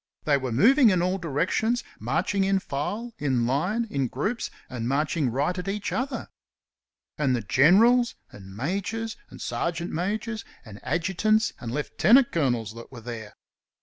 They were moving in all directions, marching in file, in line, in groups, and marching right at each other. And the generals, and majors, and sergeant majors, and adjutants and lieutenant colonels that were there!